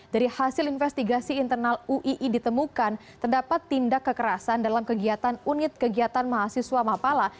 dari hasil investigasi internal uii ditemukan terdapat tindak kekerasan dalam kegiatan unit kegiatan mahasiswa mapala